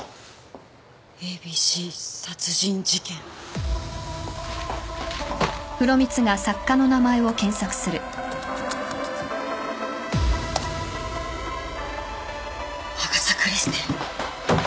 『ＡＢＣ殺人事件』アガサ・クリスティ。